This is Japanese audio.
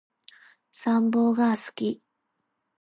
散歩が好き